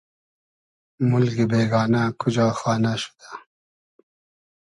مولگی بېگانۂ کوجا خانۂ شودۂ